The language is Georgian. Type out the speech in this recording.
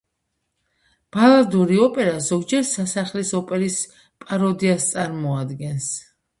ბალადური ოპერა ზოგჯერ სასახლის ოპერის პაროდიას წარმოადგენს.